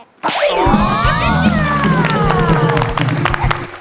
โอ้โฮจริงค่ะน่าโอ้โฮจริง